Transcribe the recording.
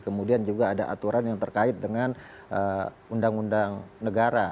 kemudian juga ada aturan yang terkait dengan undang undang negara